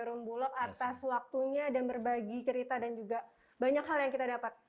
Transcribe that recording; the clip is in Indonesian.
dan mungkin bisa kita lihat yang baik di atas waktunya dan berbagi cerita dan juga banyak hal yang kita dapat